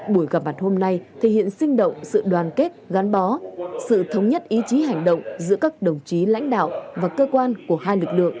buổi gặp mặt hôm nay thể hiện sinh động sự đoàn kết gắn bó sự thống nhất ý chí hành động giữa các đồng chí lãnh đạo và cơ quan của hai lực lượng